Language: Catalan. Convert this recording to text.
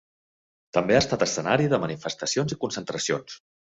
També ha estat escenari de manifestacions i concentracions.